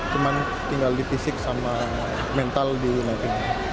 cuma tinggal di fisik sama mental di filipina